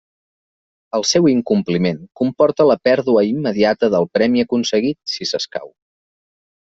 El seu incompliment comporta la pèrdua immediata del premi aconseguit, si s'escau.